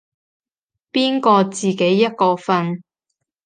邊個自己一個瞓